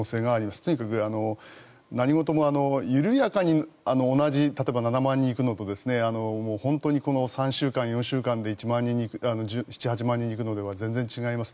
とにかく何事も緩やかに同じ例えば７万人に行くのと本当に３週間、４週間で７８万人に行くのでは全然違います。